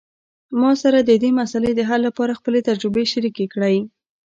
ما سره د دې مسئلې د حل لپاره خپلې تجربې شریکي کړئ